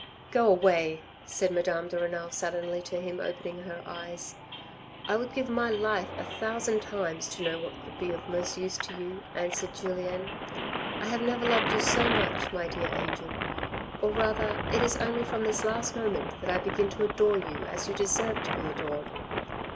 "Go away," said Madame de Renal suddenly to him, opening her eyes. " I would give my life a thousand times to know what could be of most use to you," answered Julien. " I have never loved you so much, my dear angel, or rather it is only from this last moment that I begin to adore you as you deserve to be adored.